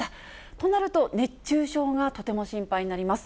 となると、熱中症がとても心配になります。